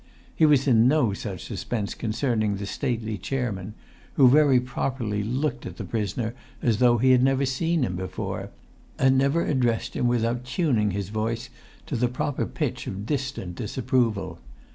He was in no such suspense concerning the stately chairman, who very properly looked at the prisoner as though he had never seen him before, and never addressed him without tuning his voice to the proper pitch of distant disapproval.